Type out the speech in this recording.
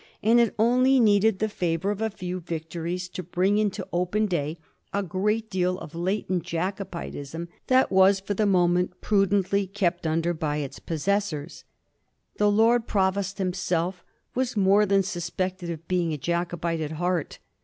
THE ADVANCE OF THE CLANR 211 it only needed the favor of a few victories to bring into open day a great deal of latent Jacobitism that was for the moment prudently kept under by its possessors. The Lord Provost himself was more than suspected of being a Jaco bite at heart.